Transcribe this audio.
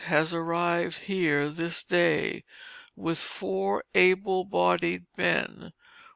has arrived here this day, with four able bodied men.